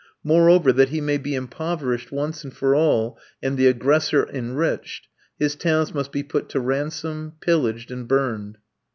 Moreover, that he may be impoverished once and for all and the aggressor enriched, his towns must be put to ransom, pillaged, and burned.